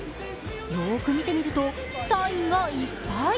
よーく見てみると、サインがいっぱい。